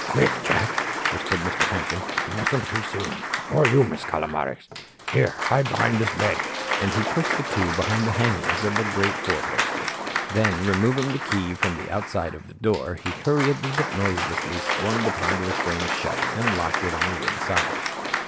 "Quick, Jack," whispered Mr. Hampton, "you mustn't be seen. Nor you, Miss Calomares. Here, hide behind this bed. And he pushed the two behind the hangings of a great four poster. Then removing the key from the outside of the door, he hurriedly but noiselessly swung the ponderous frame shut, and locked it on the inside.